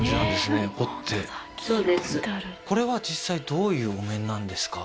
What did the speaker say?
これは実際どういうお面なんですか？